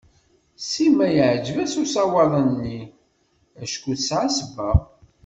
Sima yeɛǧeb-as usdawan-nni acku tesɛa sebba.